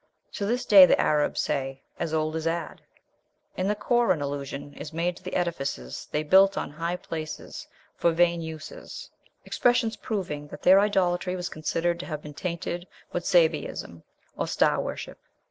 To this day the Arabs say "as old as Ad." In the Koran allusion is made to the edifices they built on "high places for vain uses;" expressions proving that their "idolatry was considered to have been tainted with Sabæism or star worship."